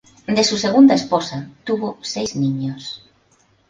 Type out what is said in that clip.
De su segunda esposa tuvo seis niños.